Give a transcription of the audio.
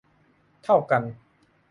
เท่ากัน